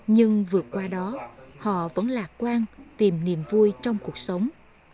nhưng vượt qua đó họ vẫn lạc quan tìm niềm vui trong cuộc sống